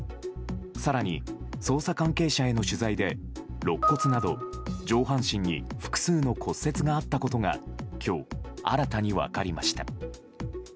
更に捜査関係者への取材で肋骨など上半身に複数の骨折があったことが今日、新たに分かりました。